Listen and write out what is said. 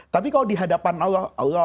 tapi kalau di hadapan allah